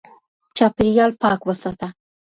چاپېريال پاک وساته